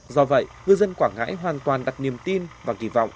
do vậy ngư dân quảng ngãi hoàn toàn đặt niềm tin và kỳ vọng